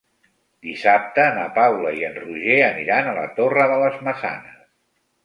Dissabte na Paula i en Roger aniran a la Torre de les Maçanes.